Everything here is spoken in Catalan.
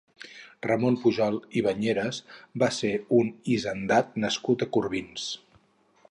Ramon Pujol i Bañeres va ser un hisendat nascut a Corbins.